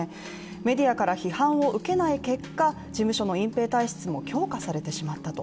メディアから批判を受けない結果事務所の隠蔽体質も強化されてしまったと。